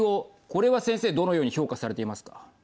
これは先生どのように評価されていますか。